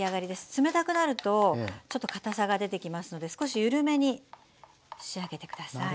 冷たくなるとちょっとかたさが出てきますので少し緩めに仕上げてください。